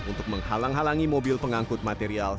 untuk menghalang halangi mobil pengangkut material